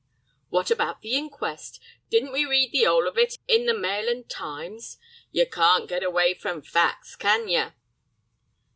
"What about the inquest? Didn't we read the 'ole of it in the Mail and Times? Yer can't get away from facts, can yer?"